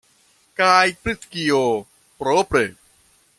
Kaj pri kio, propre?